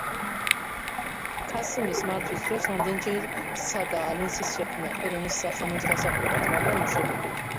ქასიმის მართვის დროს, რამდენიმეჯერ სცადა ალიანსის შექმნა ყირიმის სახანოს დასაპყრობად, მაგრამ უშედეგოდ.